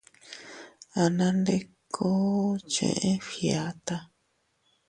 Anandikkuu cheʼé Fgiata.